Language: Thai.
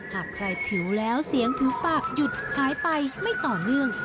หากใครผิวแล้วเสียงผิวปากหยุดหายไปไม่ต่อเนื่อง